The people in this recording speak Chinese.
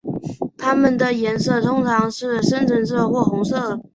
它们的颜色通常是深橙色或红色。